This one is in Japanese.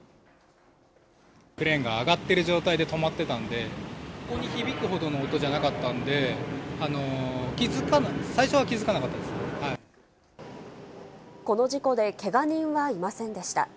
クレーンが上がってる状態で止まってたんで、ここに響くほどの音じゃなかったんで、気付かなかった、この事故でけが人はいませんでした。